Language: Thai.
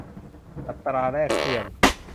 อัตราแลกเปลี่ยน